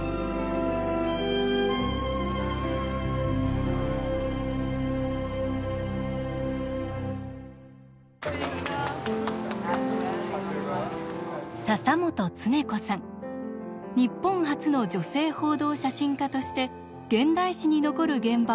日本初の女性報道写真家として現代史に残る現場を撮影しました。